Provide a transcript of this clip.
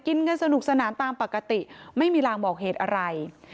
กินกันสนุกสนานตามปกติไม่มีลางบอกเหตุอะไร